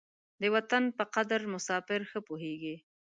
د وطن په قدر مساپر ښه پوهېږي.